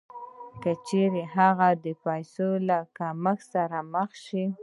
که چېرې هغه د پیسو له کمښت سره مخ شي